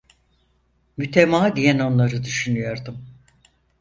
Mütemadiyen onları düşünüyordum.